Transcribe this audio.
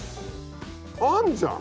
あんじゃん。